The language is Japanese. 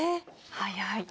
早い。